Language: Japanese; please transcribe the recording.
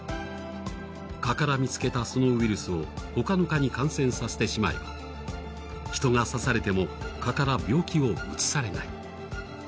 蚊から見つけたそのウイルスを他の蚊に感染させてしまえば人が刺されても蚊から病気をうつされない。